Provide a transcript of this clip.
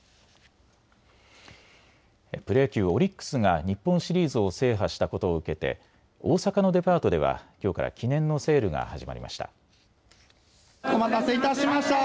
プロ野球、オリックスが日本シリーズを制覇したことを受けて大阪のデパートではきょうから記念のセールが始まりました。